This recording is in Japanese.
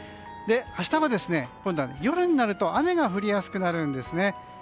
明日は今度は夜になると雨が降りやすくなるんですね。